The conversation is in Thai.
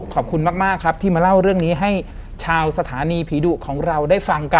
ขอบคุณมากครับที่มาเล่าเรื่องนี้ให้ชาวสถานีผีดุของเราได้ฟังกัน